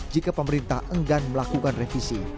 jika pemerintah enggan melakukan revisi